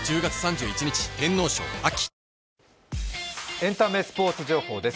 エンタメ、スポーツ情報です